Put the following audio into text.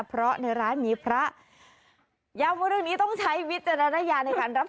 เพราะในร้านมีพระย้ำว่าเรื่องนี้ต้องใช้วิจารณญาในการรับ